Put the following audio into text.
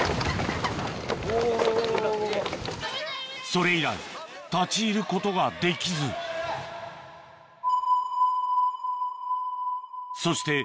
それ以来立ち入ることができずそして